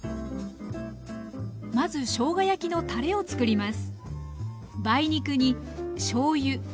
まずしょうが焼きのたれを作ります